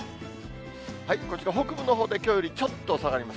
こちら、北部のほうできょうよりちょっと下がります。